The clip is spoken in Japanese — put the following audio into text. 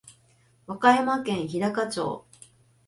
和歌山県日高町